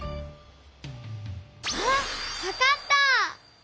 あっわかった！